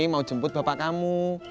mau jemput bapak kamu